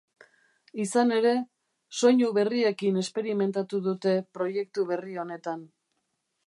Izan ere, soinu berriekin esperimentatu dute proiektu berri honetan.